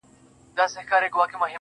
د لاسونو په پياله کې اوښکي راوړې,